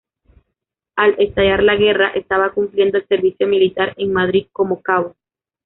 Al estallar la guerra estaba cumpliendo el servicio militar en Madrid como cabo.